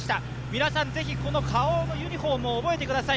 皆さん、ぜひ、Ｋａｏのユニフォームを覚えてください。